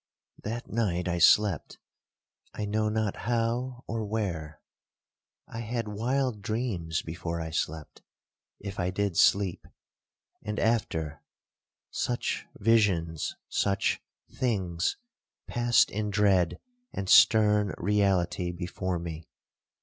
'That night I slept,—I know not how or where. I had wild dreams before I slept, if I did sleep; and after,—such visions,—such things, passed in dread and stern reality before me.